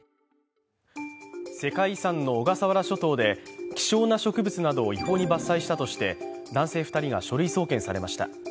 世界遺産の小笠原諸島で希少な植物などを違法に伐採したとして男性２人が書類送検されました。